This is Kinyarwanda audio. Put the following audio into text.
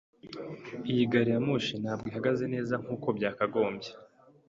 Iyi gariyamoshi ntabwo ihagaze neza nkuko byakagombye.